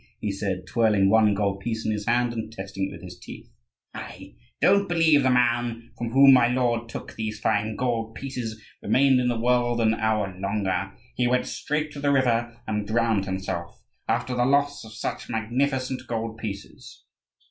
he said, twirling one gold piece in his hand and testing it with his teeth. "I don't believe the man from whom my lord took these fine gold pieces remained in the world an hour longer; he went straight to the river and drowned himself, after the loss of such magnificent gold pieces."